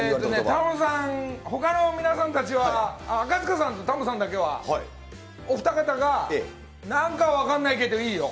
タモリさん、ほかの皆さんたちは、赤塚さんとタモさんだけは、お二方がなんか分かんないけどいいよ。